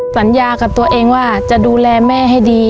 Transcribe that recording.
สัญญากับตัวเองว่าจะดูแลแม่ให้ดี